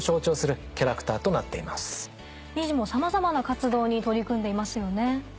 さまざまな活動に取り組んでいますよね。